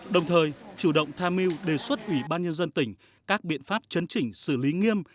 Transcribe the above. đồng thời chủ động tham mưu đề xuất ủy ban nhân dân tỉnh các biện pháp chấn chỉnh xử lý nghiêm